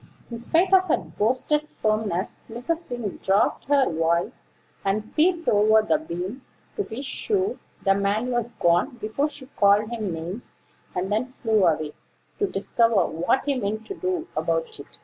In spite of her boasted firmness, Mrs. Wing dropped her voice, and peeped over the beam, to be sure the man was gone before she called him names; and then flew away, to discover what he meant to do about it.